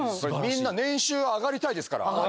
みんな年収上がりたいですから。